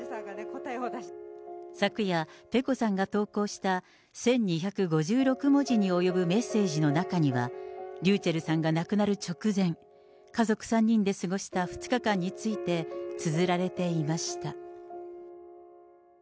昨夜、ペコさんが投稿した１２５６文字に及ぶメッセージの中には、ｒｙｕｃｈｅｌｌさんが亡くなる直前、家族３人で過ごした２日間についてつづられていました。